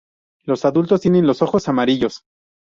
Los adultos tienen los ojos amarillos.